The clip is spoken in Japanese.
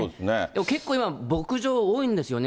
結構今、牧場多いんですよね。